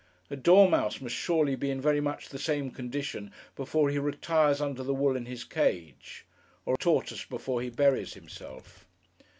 A dormouse must surely be in very much the same condition before he retires under the wool in his cage; or a tortoise before he buries himself.